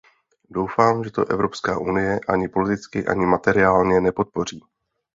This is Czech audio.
Doufám, že to Evropská unie ani politicky, ani materiálně nepodpoří.